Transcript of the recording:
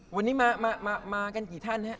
วันนี้มากันกี่ท่านฮะ